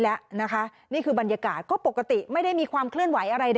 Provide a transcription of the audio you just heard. แล้วนะคะนี่คือบรรยากาศก็ปกติไม่ได้มีความเคลื่อนไหวอะไรใด